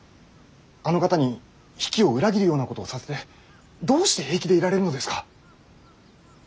あの方に比企を裏切るようなことをさせてどうして平気でいられるのですか。